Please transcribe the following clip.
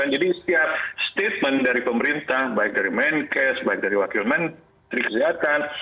jadi setiap statement dari pemerintah baik dari menkes baik dari wakil menteri kesehatan